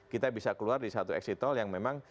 kita bisa keluar di satu exit tol yang memang